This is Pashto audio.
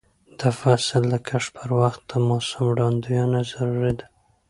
د فصل د کښت پر وخت د موسم وړاندوینه ضروري ده.